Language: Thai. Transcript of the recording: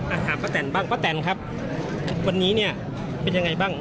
ถามป้าแตนบ้างป้าแตนครับวันนี้เนี่ยเป็นยังไงบ้าง